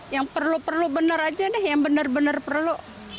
yang perlu perlu benar aja deh yang benar benar perlu